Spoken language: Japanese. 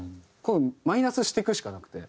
マイナスしていくしかなくて。